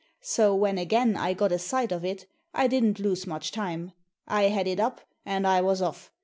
So, when again I got a sight of it, I didn't lose much time. I had it up, and I was off.